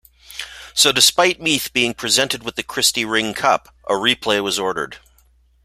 So despite Meath being presented with the Christy Ring Cup, a replay was ordered.